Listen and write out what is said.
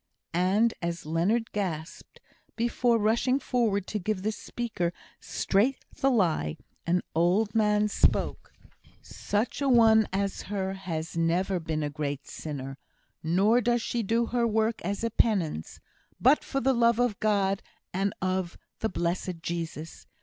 And as Leonard gasped, before rushing forward to give the speaker straight the lie, an old man spoke: "Such a one as her has never been a great sinner; nor does she do her work as a penance, but for the love of God, and of the blessed Jesus.